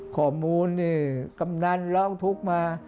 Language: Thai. ข้อมูลนี่กำนันร้องทุกข์มา